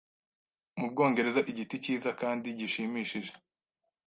Mu Bwongereza igiti cyiza kandi gishimishije